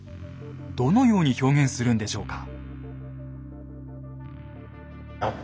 どのように表現するんでしょうか。